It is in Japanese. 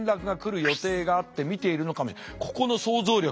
ここの想像力。